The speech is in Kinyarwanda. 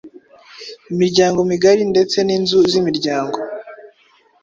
imiryango migari ndetse n’inzu z’imiryango.